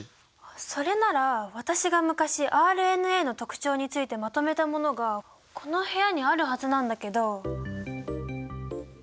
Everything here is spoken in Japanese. それなら私が昔ＲＮＡの特徴についてまとめたものがこの部屋にあるはずなんだけど。